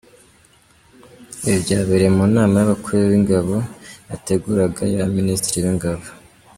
Ibi byabereye mu nama y’abakuru b’ingabo yateguraga iy’aba minisitiri b’ingabo.